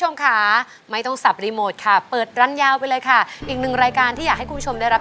๑๘นตรงทั้ง๒วันนะครับ